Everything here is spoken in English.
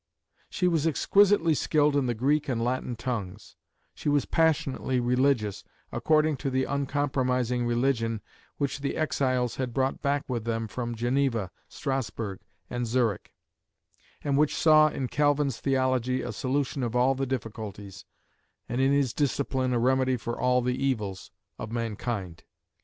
She was "exquisitely skilled in the Greek and Latin tongues;" she was passionately religious, according to the uncompromising religion which the exiles had brought back with them from Geneva, Strasburg, and Zurich, and which saw in Calvin's theology a solution of all the difficulties, and in his discipline a remedy for all the evils, of mankind.